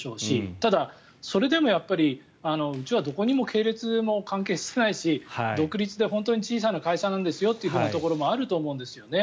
ただ、それでも、うちはどこにも系列も関係していないし独立で本当に小さな会社なんですよというところもあると思うんですよね。